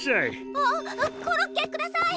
あっコロッケください！